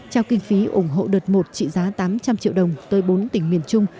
trao kinh phí ủng hộ đợt một trị giá tám trăm linh triệu đồng tới bốn tỉnh miền trung